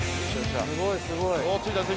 すごいすごい。